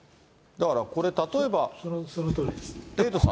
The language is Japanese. だからこれ、そのとおりです。